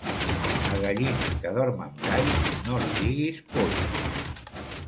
A gallina que dorm amb gall, no li diguis polla.